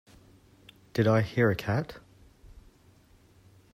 Did I hear a cat?